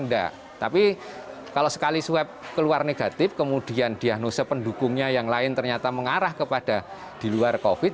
tidak tapi kalau sekali sweb keluar negatif kemudian diagnose pendukungnya yang lain ternyata mengarah kepada di luar covid sembilan belas